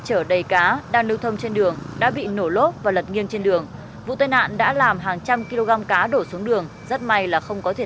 hãy đăng ký kênh để ủng hộ kênh của chúng mình nhé